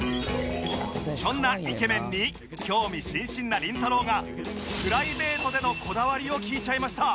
そんなイケメンに興味津々なりんたろー。がプライベートでのこだわりを聞いちゃいました